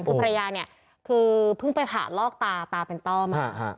คือภรรยาเนี่ยคือเพิ่งไปผ่าลอกตาตาเป็นต้อม